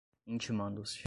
intimando-se